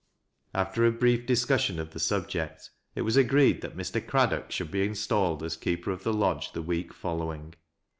After a brief discussion of the subject, it was agreed that Mr. Craddock should be installed as keeper of the lodge the week following.